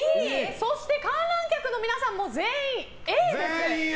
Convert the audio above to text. そして観覧客の皆さんも全員Ａです。